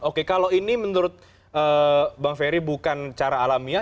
oke kalau ini menurut bang ferry bukan cara alamiah